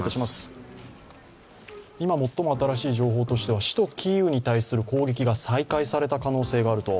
今最も新しい情報としては首都キーウに対する攻撃が再開された可能性があると。